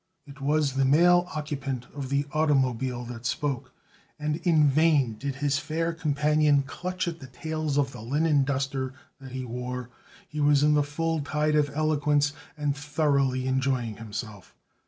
It was the male occupant of the automobile that spoke, and in vain did his fair companion clutch at the tails of the linen duster that he wore; he was in the full tide of eloquence and thoroughly enjoying himself.